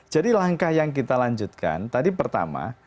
jadi langkah yang kita lanjutkan tadi pertama